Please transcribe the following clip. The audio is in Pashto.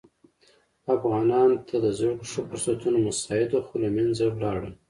افغانانو ته د زده کړو ښه فرصتونه مساعد وه خو له منځه ولاړل.